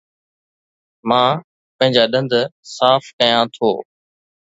مان پنهنجا ڏند صاف ڪيان ٿو